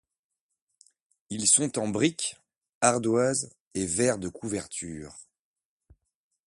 Ils sont en briques, ardoises et verre de couverture.